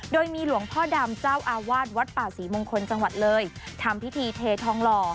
โดยมีหลวงพ่อดำเจ้าอาวาสวัดป่าศรีมงคลจังหวัดเลยทำพิธีเททองหล่อ